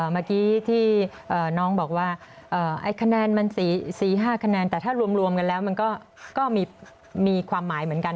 เมื่อกี้ที่น้องบอกว่าคะแนนมัน๔๕คะแนนแต่ถ้ารวมกันแล้วมันก็มีความหมายเหมือนกัน